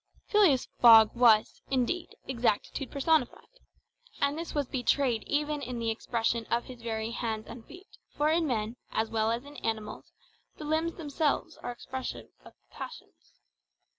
Phileas Fogg was, indeed, exactitude personified, and this was betrayed even in the expression of his very hands and feet; for in men, as well as in animals, the limbs themselves are expressive of the passions.